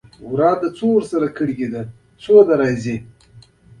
د امریکا اقتصادي بنسټونو هغوی ته اسانتیاوې برابرې کړې.